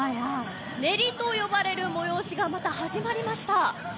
練りと呼ばれる催しがまた始まりました。